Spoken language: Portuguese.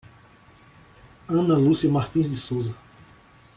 Ana Lucia Martins de Souza